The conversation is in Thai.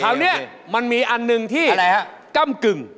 คราวนี้มันมีอันหนึ่งที่ก้ำกึ่ง